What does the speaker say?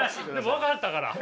分かったから。